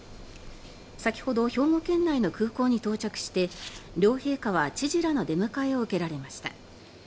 先ほど兵庫県内の空港に到着して両陛下は知事らの出迎えを受けられました。